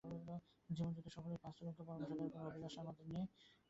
জীবনযুদ্ধে সফল এই পাঁচ তরুণকে পরামর্শ দেওয়ার কোনো অভিলাষ আমাদের নেই।